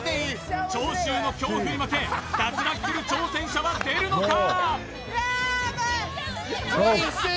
長州の恐怖に負け脱落する挑戦者は出るのか？